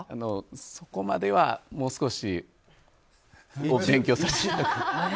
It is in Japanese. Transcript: そこまではもう少し勉強させていただきたい。